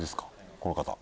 この方？